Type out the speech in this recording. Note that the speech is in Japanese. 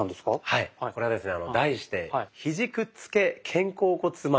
はいこれはですね